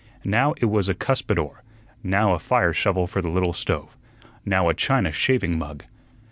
Now it was a cuspidor, now a fire shovel for the little stove, now a China shaving mug.